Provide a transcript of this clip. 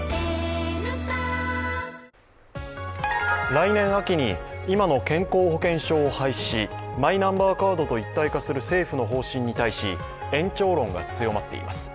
来年秋に今の健康保険証を廃止しマイナンバーカードと一体化する政府の方針に対し延長論が強まっています。